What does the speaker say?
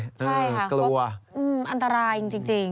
ใช่ค่ะอันตรายจริงกลัวกลัว